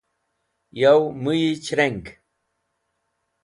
yow muyi chirenga